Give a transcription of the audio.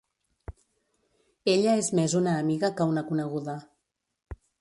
Ella és més una amiga que una coneguda.